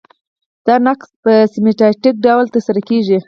دا نقض په سیستماتیک ډول ترسره کیږي.